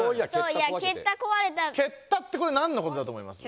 「けった」ってこれ何のことだと思います？